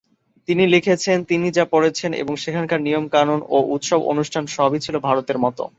তিনি লিখেছেন, তিনি যা পড়েছেন এবং সেখানকার নিয়মকানুন ও উৎসব-অনুষ্ঠান সবই ছিল ভারতের মতো।